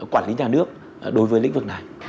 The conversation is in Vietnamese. quản lý nhà nước đối với lĩnh vực này